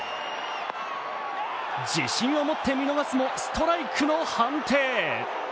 自信を持って見逃すもストライクの判定。